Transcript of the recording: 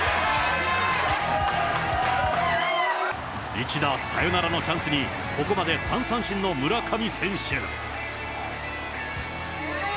一打サヨナラのチャンスにここまで３三振の村上選手。